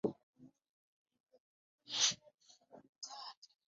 Omukubi omulungi agenda okuggya eminyolo ku mugala nga n’enswa etandise okuzibuka amaaso.